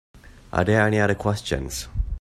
Are there any other questions?